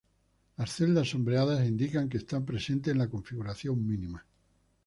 Las celdas sombreadas indican que están presentes en la configuración mínima.